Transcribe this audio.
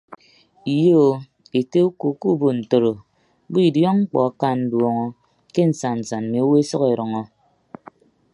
Iyo o ete uko kuubo ntoro bo idiọk mkpọ aka nduọñọ ke nsan nsan awo esʌk edʌñọ.